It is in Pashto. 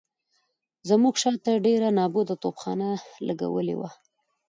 زموږ شاته ډېره نابوده توپخانه لګولې وه.